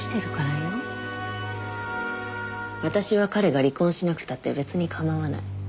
私は彼が離婚しなくたって別に構わない。